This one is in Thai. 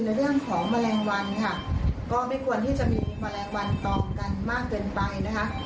เรื่องของแมลงวันค่ะก็ไม่ควรที่จะมีแมลงวันตอมกันมากเกินไปนะคะ